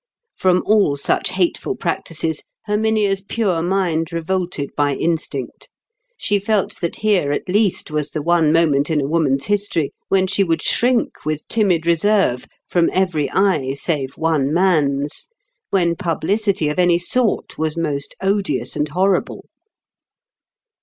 From all such hateful practices, Herminia's pure mind revolted by instinct. She felt that here at least was the one moment in a woman's history when she would shrink with timid reserve from every eye save one man's—when publicity of any sort was most odious and horrible.